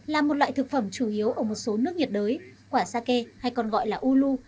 là một loại thực phẩm chủ yếu ở một số nước nhiệt đới quả sake hay còn gọi là ulu